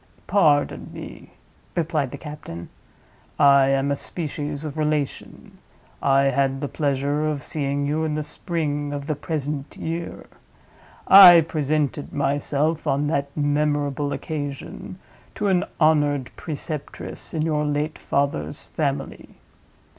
"Pardon me," replied the captain; "I am a species of relation. I had the pleasure of seeing you in the spring of the present year. I presented myself on that memorable occasion to an honored preceptress in your late father's family.